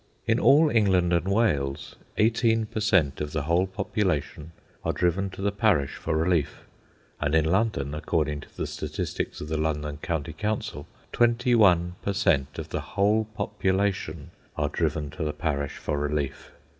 In all England and Wales, eighteen per cent. of the whole population are driven to the parish for relief, and in London, according to the statistics of the London County Council, twenty one per cent. of the whole population are driven to the parish for relief.